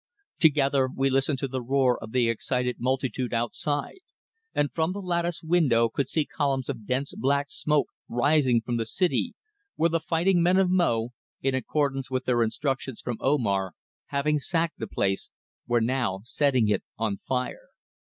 Together we listened to the roar of the excited multitude outside, and from the lattice window could see columns of dense black smoke rising from the city, where the fighting men of Mo, in accordance with their instructions from Omar, having sacked the place, were now setting it on fire.